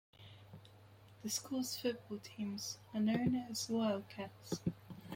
The school's football teams are known as the "Wildcats".